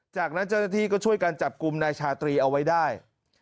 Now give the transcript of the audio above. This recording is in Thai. จากนั้นเจ้าหน้าที่ก็ช่วยกันจับกลุ่มนายชาตรีเอาไว้ได้